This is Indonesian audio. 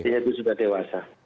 jadi itu sudah dewasa